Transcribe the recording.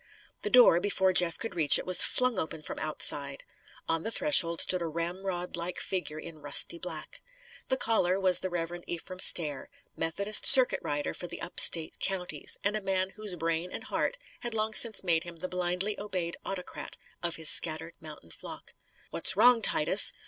The door, before Jeff could reach it, was flung open from outside. On the threshold stood a ramrodlike figure in rusty black. The caller was the Reverend Ephraim Stair Methodist circuit rider for the up State counties, and a man whose brain and heart had long since made him the blindly obeyed autocrat of his scattered mountain flock. "What's wrong, Titus?"